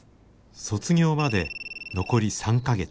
卒業まで残り３か月。